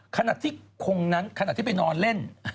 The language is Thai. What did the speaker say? ขนาดที่ไปนอนเล่น